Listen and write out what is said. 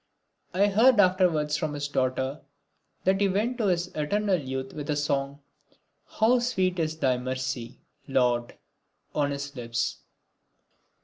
I heard afterwards from his daughter that he went to his eternal youth with the song "How sweet is thy mercy, Lord!" on his lips.